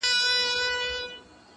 مینه چي مو وڅاڅي له ټولو اندامو،